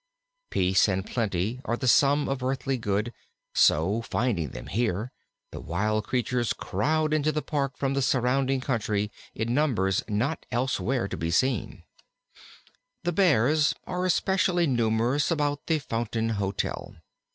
Peace and plenty are the sum of earthly good; so, finding them here, the wild creatures crowd into the Park from the surrounding country in numbers not elsewhere to be seen. The Bears are especially numerous about the Fountain Hotel.